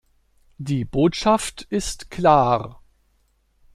Die Botschaft ist klar.